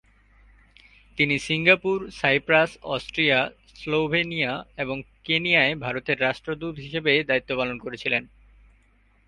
তিনি Singapore, Cyprus, Austria, Slovenia এবং কেনিয়ায় ভারতের রাষ্ট্রদূত হিসাবে দায়িত্ব পালন করেছিলেন।